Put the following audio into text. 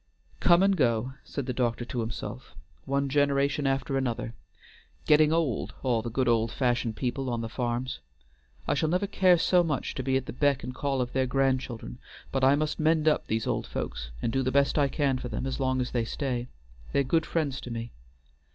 "Come and go," said the doctor to himself, "one generation after another. Getting old! all the good old fashioned people on the farms: I never shall care so much to be at the beck and call of their grandchildren, but I must mend up these old folks and do the best I can for them as long as they stay; they're good friends to me.